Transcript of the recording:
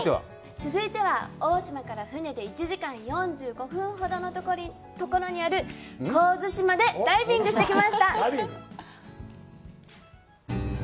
続いては、大島から船で１時間４５分ほどのところにある神津島でダイビングしてきました。